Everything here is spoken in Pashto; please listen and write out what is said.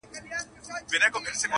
لاس تر غاړه له خپل بخت سره جوړه سوه-